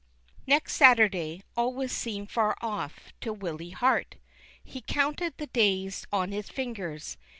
EXT Saturday " always seemed far off to Willy Hart. He counted the days on his fingers.